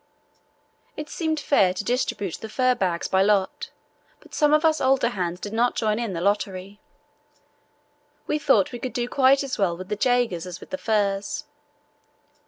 It seemed fair to distribute the fur bags by lot, but some of us older hands did not join in the lottery. We thought we could do quite as well with the Jaegers as with the furs.